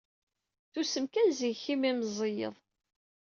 Tusem kan seg-k imi meẓẓiyed.